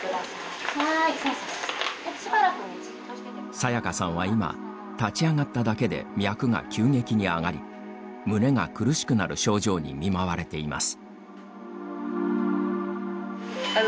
さやかさんは今立ち上がっただけで脈が急激に上がり胸が苦しくなる症状に見舞われています。